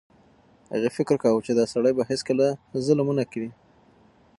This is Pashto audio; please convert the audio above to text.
هغې فکر کاوه چې دا سړی به هیڅکله ظلم ونه کړي.